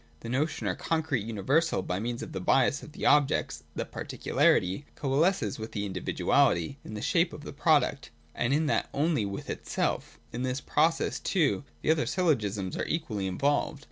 The notion or concrete universal, by means of the bias of the objects (the particularity), coalesces with the individuality (in the shape of the product), and in that only with itself In this process too the other syllogisms are equally involved.